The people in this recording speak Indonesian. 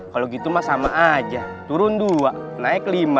kalau gitu mah sama aja turun dua naik lima